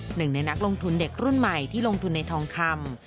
หนึ่งในนักลงทุนเด็กรุ่นใหม่ที่ลงทุนในทองคำ